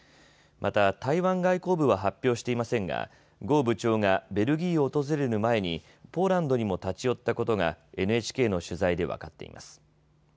また台湾外交部は発表していませんが呉部長がベルギーを訪れる前にポーランドにも立ち寄ったことがＮＨＫの取材で分かっています。